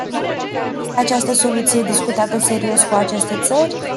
Este această soluție discutată serios cu aceste țări?